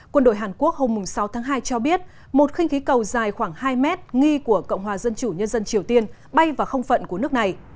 quân đội hàn quốc hôm sáu tháng hai cho biết một khinh khí cầu dài khoảng hai mét nghi của cộng hòa dân chủ nhân dân triều tiên bay vào không phận của nước này